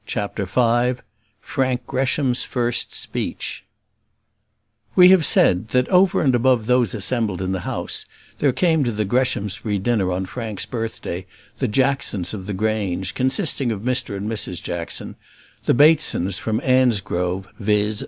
CHAPTER V Frank Gresham's First Speech We have said, that over and above those assembled in the house, there came to the Greshamsbury dinner on Frank's birthday the Jacksons of the Grange, consisting of Mr and Mrs Jackson; the Batesons from Annesgrove, viz.